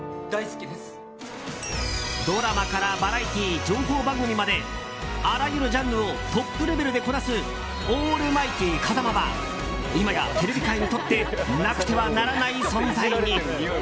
ドラマからバラエティー情報番組まであらゆるジャンルをトップレベルでこなすオールマイティー風間は今やテレビ界にとってなくてはならない存在に。